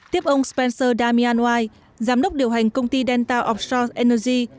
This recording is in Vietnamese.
tiếp ông spencer damian white giám đốc điều hành công ty delta offshore energy